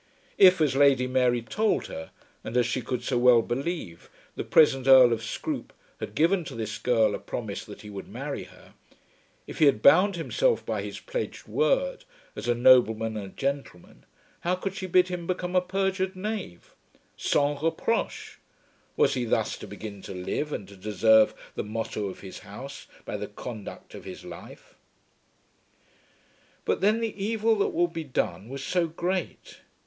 If, as Lady Mary told her, and as she could so well believe, the present Earl of Scroope had given to this girl a promise that he would marry her, if he had bound himself by his pledged word, as a nobleman and a gentleman, how could she bid him become a perjured knave? Sans reproche! Was he thus to begin to live and to deserve the motto of his house by the conduct of his life? But then the evil that would be done was so great!